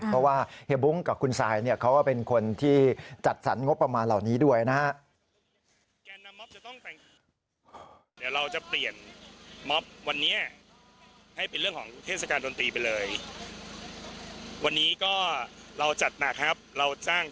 เพราะว่าเฮียบุ้งกับคุณซายเขาก็เป็นคนที่จัดสรรงบประมาณเหล่านี้ด้วยนะฮะ